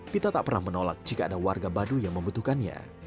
pita tak pernah menolak jika ada warga badu yang membutuhkannya